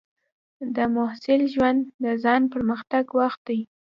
د محصل ژوند د ځان پرمختګ وخت دی.